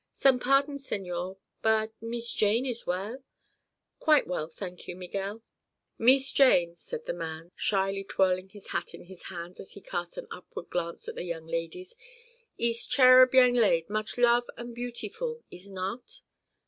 "Some pardon, señor; but—Mees Jane is well?" "Quite well, thank you, Miguel." "Mees Jane," said the man, shyly twirling his hat in his hands as he cast an upward glance at the young ladies, "ees cherub young lade; much love an' beaut'ful. Ees not?"